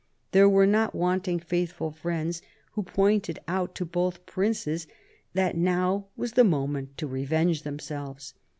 There were not wanting faithful friends who pointed out to both princes that now was the moment to revenge themselves.